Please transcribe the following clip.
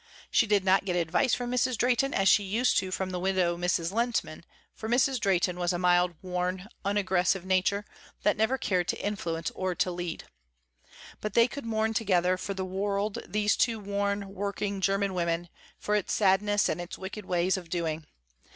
She did not get advice from Mrs. Drehten as she used to from the widow, Mrs. Lehntman, for Mrs. Drehten was a mild, worn, unaggressive nature that never cared to influence or to lead. But they could mourn together for the world these two worn, working german women, for its sadness and its wicked ways of doing.